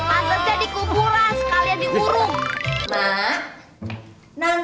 mas kerja dikuburan sekalian diurung